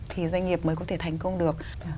thì doanh nghiệp mới có thể thành công được